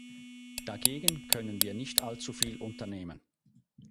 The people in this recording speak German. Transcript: Dagegen können wir nicht allzu viel unternehmen.